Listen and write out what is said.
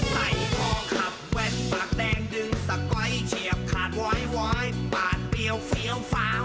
ใส่คอขับแว่นปากแดงดึงสก๊อยเฉียบขาดว้อยปาดเปรี้ยวเฟี้ยวฟ้าว